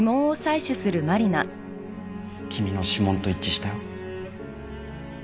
君の指紋と一致したよ。